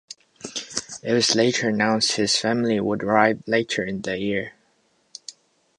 It was later announced his family would arrive later in the year.